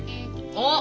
あっ。